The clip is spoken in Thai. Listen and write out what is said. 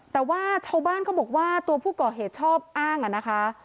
แต่ว่าชาวบ้านเขาบอกว่าตัวผู้ก่อเหตุชอบอ้างอะนะคะ